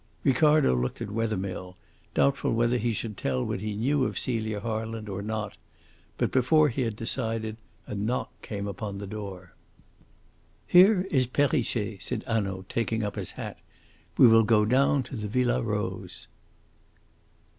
Ricardo looked at Wethermill, doubtful whether he should tell what he knew of Celia Harland or not. But before he had decided a knock came upon the door. "Here is Perrichet," said Hanaud, taking up his hat. "We will go down to the Villa Rose."